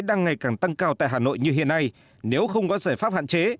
đang ngày càng tăng cao tại hà nội như hiện nay nếu không có giải pháp hạn chế